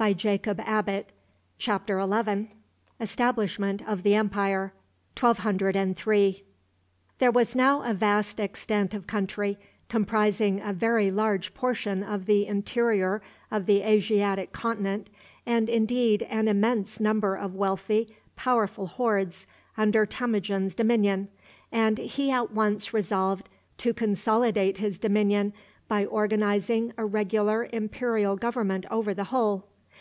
Homage of the khans. Inaugural address. Rejoicings. Departure of the khans. There was now a vast extent of country, comprising a very large portion of the interior of the Asiatic Continent, and, indeed, an immense number of wealthy, powerful hordes, under Temujin's dominion, and he at once resolved to consolidate his dominion by organizing a regular imperial government over the whole.